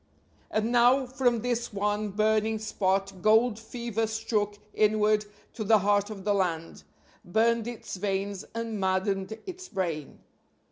And now from this one burning spot gold fever struck inward to the heart of the land; burned its veins and maddened its brain.